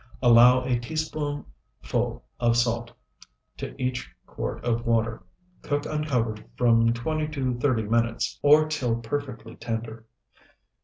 Allow a teaspoonful of salt to each quart of water; cook uncovered from twenty to thirty minutes, or till perfectly tender.